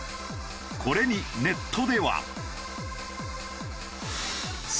これにネットでは。